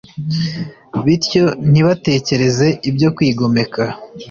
bityo ntibatekereze ibyo kwigomeka.